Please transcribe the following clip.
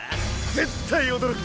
絶対驚く！